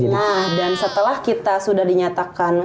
nah dan setelah kita sudah dinyatakan